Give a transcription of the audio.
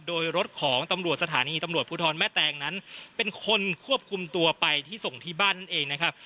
โดยรถของตำรวจสถานีตำรวจภูทรแม่แตงนั้นเป็นคนควบคุมตัวไปที่ส่งที่บ้านนั่นเองนะครับ